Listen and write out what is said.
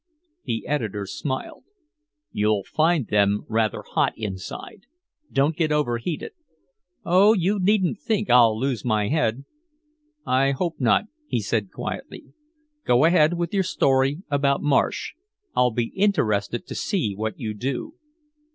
The editor smiled: "You'll find them rather hot inside. Don't get overheated." "Oh you needn't think I'll lose my head." "I hope not," he said quietly. "Go ahead with your story about Marsh. I'll be interested to see what you do."